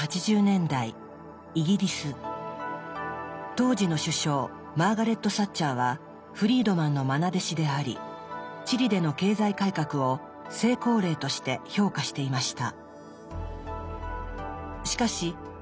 当時の首相マーガレット・サッチャーはフリードマンのまな弟子でありチリでの経済改革を成功例として評価していました。